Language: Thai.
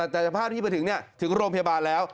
แต่สภาพที่ไปถึงถึงโรงพยาบาลแล้ว